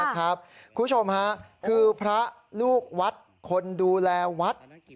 คุณผู้ชมค่ะคือพระลูกวัดคนดูแลวัด